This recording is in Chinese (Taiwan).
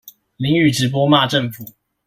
淋雨直播罵政府